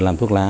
làm thuốc lá